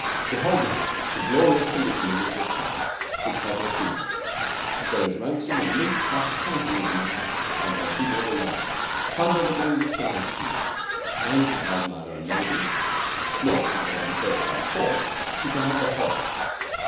Behold now the glorious condition of this Republic which has no fear. There is ransom and loot past the counting of man on her seaboard alone plunder that would enrich a nation and she has neither a navy nor half a dozen first class ports to guard the whole.